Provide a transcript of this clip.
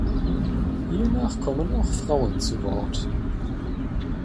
Hiernach kommen auch Frauen zu Wort.